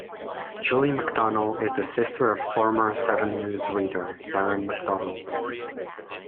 Julie McDonald is the sister of former Seven newsreader, Darren McDonald.